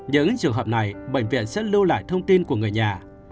những trường hợp này bệnh viện sẽ lưu lại thông tin của người nhà